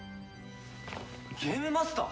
ゲームマスター！？